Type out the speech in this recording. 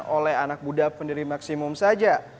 oleh anak muda pendiri maksimum saja